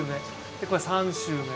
でこれ３週目。